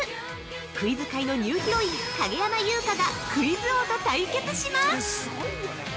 クイズ界のニューヒロイン影山優佳がクイズ王と対決します！